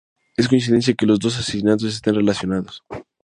Es coincidencia que los dos asesinatos esten relacionados.